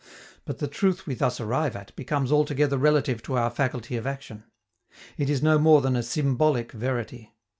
But the truth we thus arrive at becomes altogether relative to our faculty of action. It is no more than a symbolic verity.